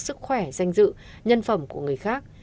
sức khỏe danh dự nhân phẩm của người khác